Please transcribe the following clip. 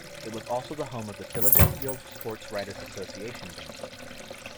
It was also the home of the Philadelphia Sports Writers Association Banquet.